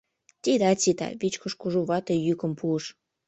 — Тидат сита! — вичкыж кужу вате йӱкым пуыш.